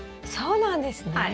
そうなんですね。